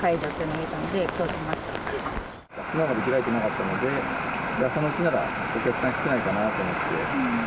きのうまで開いてなかったので、朝のうちならお客さん少ないかなと思って。